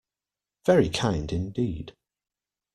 Very kind indeed.